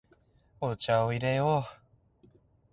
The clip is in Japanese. お茶を入れよう。